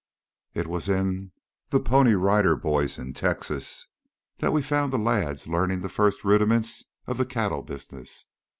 It was in "The Pony Rider Boys In Texas" that we found the lads learning the first rudiments of the cattle business.